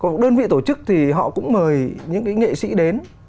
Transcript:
có một đơn vị tổ chức thì họ cũng mời những nghệ sĩ đến